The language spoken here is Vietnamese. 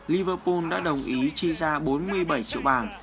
liverpool đã đồng ý chi ra bốn mươi bảy triệu bảng